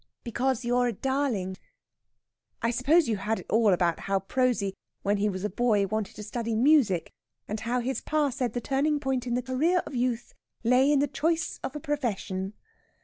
"Because you're a darling. I suppose you had it all about how Prosy, when he was a boy, wanted to study music, and how his pa said that the turning point in the career of youth lay in the choice of a profession."